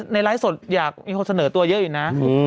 ไลฟ์สดอยากมีคนเสนอตัวเยอะอยู่นะ